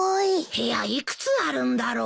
部屋幾つあるんだろう？